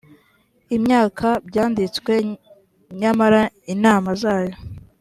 imyaka byanditswe nyamara inama zayo